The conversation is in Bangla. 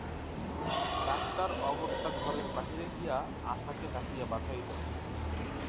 ডাক্তার অগত্যা ঘরের বাহিরে গিয়া আশাকে ডাকিয়া পাঠাইল।